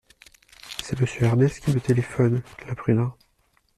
C’est monsieur Ernest qui me téléphone, l’imprudent !